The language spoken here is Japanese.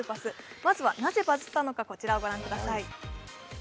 まずは、なぜバズったのか御覧ください。